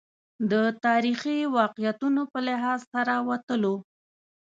د تاریخي واقعیتونو په لحاظ سره وتلو.